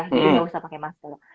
jadi nggak usah pakai masker